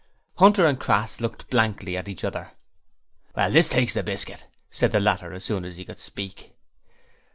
Hunter and Crass looked blankly at each other. 'Well, this takes the biskit!' said the latter as soon as he could speak.